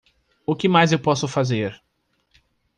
O que mais eu posso fazer?